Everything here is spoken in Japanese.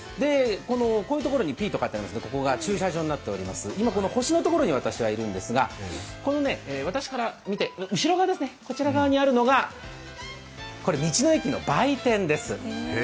こういうところにＰと書いてありますがここが駐車場になっておりまして、今、星のところに私はいるんですが私から見て後ろ側にあるのが道の駅の売店です